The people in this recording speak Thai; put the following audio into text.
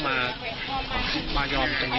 คำให้การในกอล์ฟนี่คือคำให้การในกอล์ฟนี่คือ